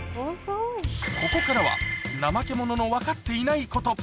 ここからは、ナマケモノのわかっていないこと。